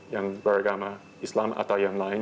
yang beragama islam atau yang lain